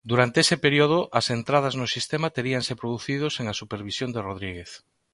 Durante ese período as entradas no sistema teríanse producido sen a supervisión de Rodríguez.